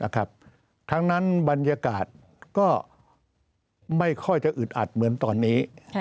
ทั้งนั้นบรรยากาศก็ไม่ค่อยจะอึดอัดเหมือนตอนนี้